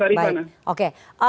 baik baik oke